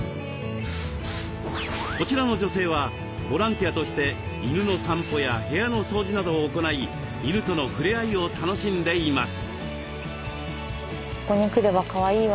こちらの女性はボランティアとして犬の散歩や部屋の掃除などを行い犬とのふれあいを楽しんでいます。